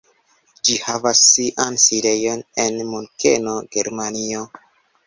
Ĝi havas sian sidejon en Munkeno, Germanio.